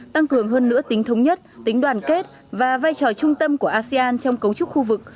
tăng cường hơn nữa tính thống nhất tính đoàn kết và vai trò trung tâm của asean trong cấu trúc khu vực